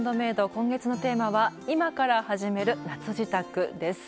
今月のテーマは「今から始める夏じたく！」です。